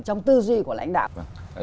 trong tư duy của lãnh đạo